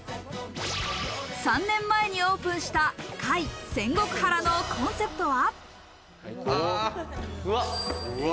３年前にオープンした「界仙石原」のコンセプトは？